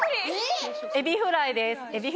エビフライです